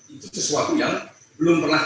itu sesuatu yang belum pernah